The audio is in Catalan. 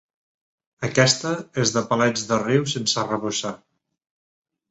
Aquesta és de palets de riu sense arrebossar.